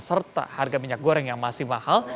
serta harga minyak goreng yang masih mahal